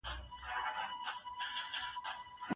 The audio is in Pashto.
زما او ستا عزت اوس څنګه سره شريک دی؟